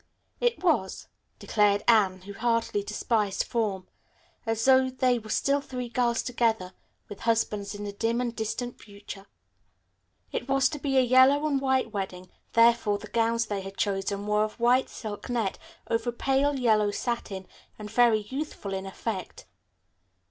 "It was," declared Anne, who heartily despised form, "as though they were still three girls together, with husbands in the dim and distant future." It was to be a yellow and white wedding, therefore the gowns they had chosen were of white silk net over pale yellow satin, and very youthful in effect.